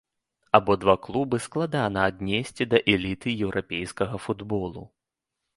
Абодва клубы складана аднесці да эліты еўрапейскага футболу.